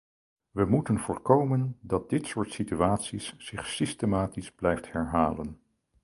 We moeten voorkomen dat dit soort situaties zich systematisch blijft herhalen.